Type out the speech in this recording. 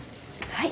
はい。